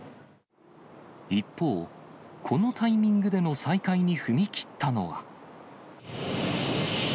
一方、このタイミングでの再開に踏み切ったのは。